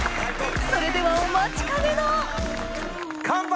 それではお待ちかねの乾杯！